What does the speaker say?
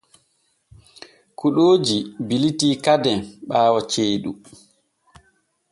Kuɗooji bilitii kade ɓaawo ceeɗum.